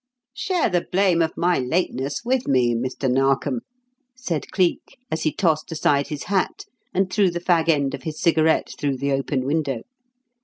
"Share the blame of my lateness with me, Mr. Narkom," said Cleek as he tossed aside his hat and threw the fag end of his cigarette through the open window.